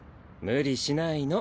無理しないの。